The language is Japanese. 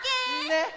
ねっ！